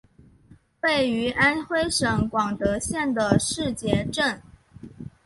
位于安徽省广德县的誓节镇。